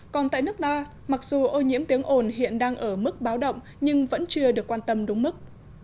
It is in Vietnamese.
còn tại nước ta mặc dù ô nhiễm tiếng ồn hiện đang ở mức báo động nhưng vẫn chưa được quan tâm đúng mức